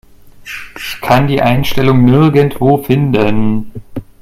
Ich kann die Einstellung nirgendwo finden.